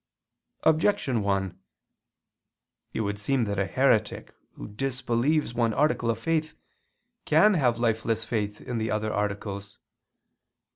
Objection 1: It would seem that a heretic who disbelieves one article of faith, can have lifeless faith in the other articles.